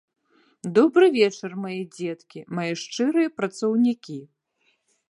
Добры вечар, мае дзеткі, мае шчырыя працаўнікі.